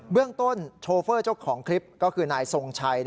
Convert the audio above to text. เรื่องต้นโชเฟอร์เจ้าของคลิปก็คือนายทรงชัย